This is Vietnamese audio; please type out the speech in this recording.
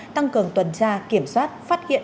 tăng cường tuần tra kiểm soát phát hiện